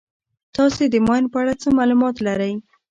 تاسې د ماین په اړه څه معلومات لرئ.